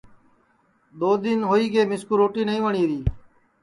دؔو دؔن ہوئی گے مِسکُو روٹی نائی وٹؔیری